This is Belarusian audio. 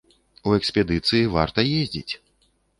У экспедыцыі варта ездзіць!